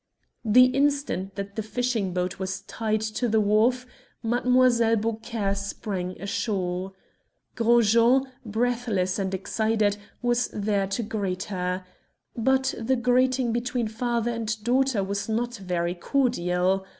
The instant that the fishing boat was tied to the wharf, Mlle. Beaucaire sprang ashore. Gros Jean, breathless and excited, was there to greet her. But the greeting between father and daughter was not very cordial.